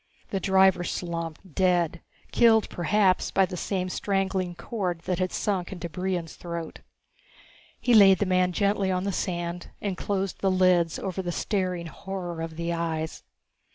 The driver slumped, dead, killed perhaps by the same strangling cord that had sunk into Brion's throat. He laid the man gently on the sand and closed the lids over the staring horror of the eyes.